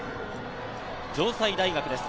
城西大学です。